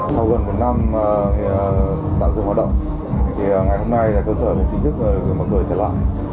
sau gần một năm tạo dựng hoạt động ngày hôm nay cơ sở chính thức mọi người sẽ làm